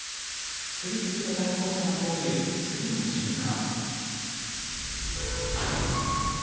次々と対向車が通る、次の瞬間。